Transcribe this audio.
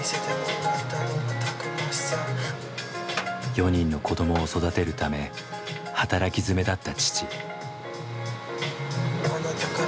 ４人の子どもを育てるため働きづめだった父。